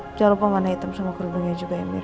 jangan lupa warna hitam sama kerubunya juga ya mir